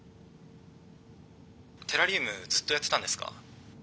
テラリウムずっとやってたんですか？